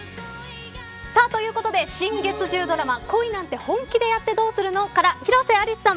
とういうことで、新月１０ドラマ恋なんて、本気でやってどうするの？から広瀬アリスさん